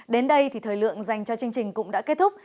đến đây thì thời lượng dành cho chương trình cũng đã kết thúc